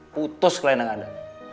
putus kelainan anda